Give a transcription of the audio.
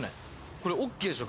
これＯＫでしょ